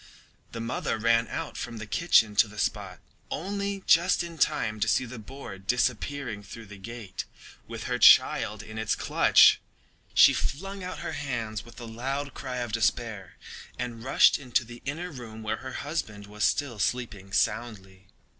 The mother ran out from the kitchen to the spot, only just in time to see the boar disappearing through the gate with her child in its clutch. She flung out her hands with a loud cry of despair and rushed into the inner room where her husband was still sleeping soundly.